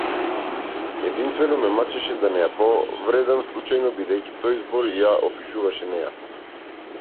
Единствено ме мачеше да не ја повредам случајно, бидејќи тој збор ја опишуваше неа.